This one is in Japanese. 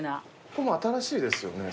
これ新しいですよね